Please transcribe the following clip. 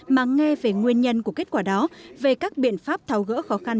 mà nghe về nguyên nhân của kết quả đó về các biện pháp tháo gỡ khó khăn